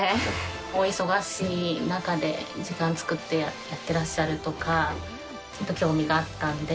お忙しい中で時間を作ってやってらっしゃるとか、ちょっと興味があったんで。